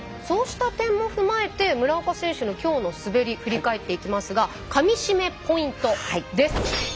そうした点も踏まえて村岡選手のきょうの滑りを振り返っていきますがかみしめポイントです。